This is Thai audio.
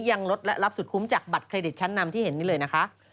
ยังลดและรับสุดคุ้มจากบัตรเครดิตชั้นนำที่เห็นนี่เลยนะคะ